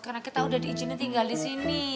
karena kita udah diizinkan tinggal di sini